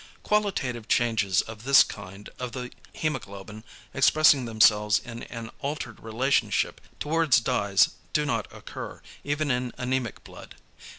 Qualitative changes of this kind of the hæmoglobin, expressing themselves in an altered relationship towards dyes, do not occur, even in anæmic blood.